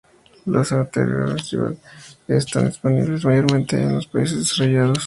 Los antirretrovirales están disponibles mayormente en los países desarrollados.